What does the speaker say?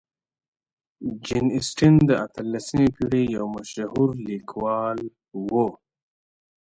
جین اسټن د اتلسمې پېړۍ یو مشهورې لیکواله وه.